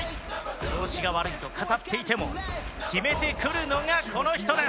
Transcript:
調子が悪いと語っていても決めてくるのがこの人です！